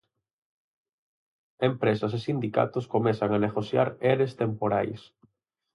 Empresas e sindicatos comezan a negociar eres temporais.